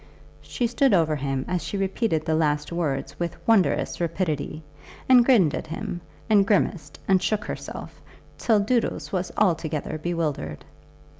She stood over him as she repeated the last words with wondrous rapidity, and grinned at him, and grimaced and shook herself, till Doodles was altogether bewildered.